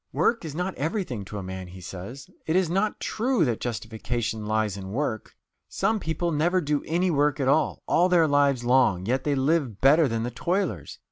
"Work is not everything to a man," he says; "it is not true that justification lies in work ... Some people never do any work at all, all their lives long yet they live better than the toilers.